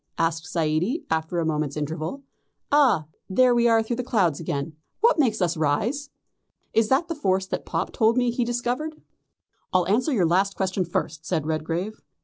asked Zaidie, after a moment's interval. "Ah, there we are through the clouds again. What makes us rise? Is that the force that Pop told me he discovered?" "I'll answer the last question first," said Redgrave.